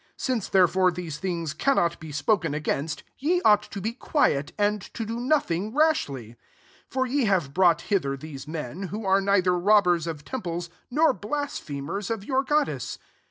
3 Since therdbre these tiuog cannot be spoken against, f ought to be quiet, and to d nothing rashly : 37 for ye havi brought hither these men, irm are neither robbers of temples nor blasphemers of your go( dess.